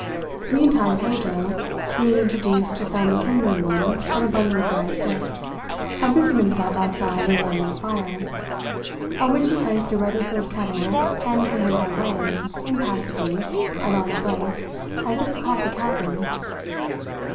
Meantime Pedro, being introduced to some kindling wood and a bundle of dry sticks, had busied himself outside in lighting a fire, on which he placed a ready filled kettle handed to him by Wang impassively, at arm's length, as if across a chasm.